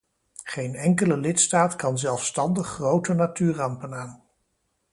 Geen enkele lidstaat kan zelfstandig grote natuurrampen aan.